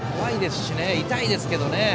怖いですし痛いですけどね。